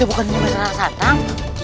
bukan kesana aku disini